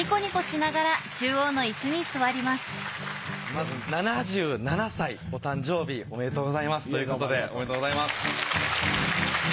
まず７７歳お誕生日おめでとうございます。ということでおめでとうございます。